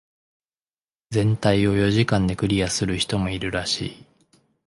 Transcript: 全体を四時間でクリアする人もいるらしい。